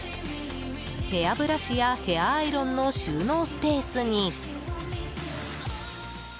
ヘアブラシやヘアアイロンの収納スペースに。